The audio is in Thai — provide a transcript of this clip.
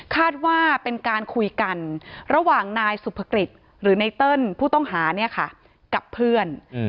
ว่าเป็นการคุยกันระหว่างนายสุภกฤษหรือไนเติ้ลผู้ต้องหาเนี่ยค่ะกับเพื่อน